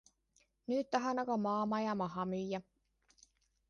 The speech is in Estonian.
Nüüd tahan aga maamaja maha müüa.